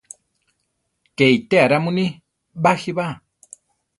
¡Ké itéa ra muní ! baʼjí ba!